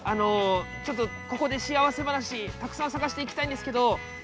ちょっとここで幸せ話たくさん探していきたいんですけど。